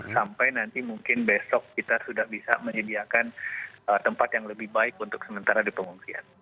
sampai nanti mungkin besok kita sudah bisa menyediakan tempat yang lebih baik untuk sementara di pengungsian